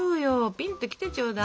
ピンと来てちょうだい。